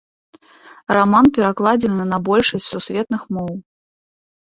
Раман перакладзены на большасць сусветных моў.